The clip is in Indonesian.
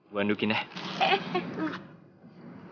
gue handukin ya